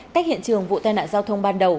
cách hiện trường vụ tai nạn giao thông ban đầu